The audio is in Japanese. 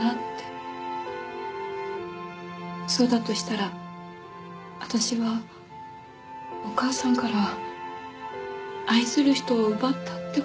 そうだとしたら私はお母さんから愛する人を奪ったって事でしょ？